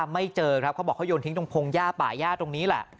ไม่เจอครับเขาบอกเขาโยนทิ้งตรงพงหญ้าป่าย่าตรงนี้แหละ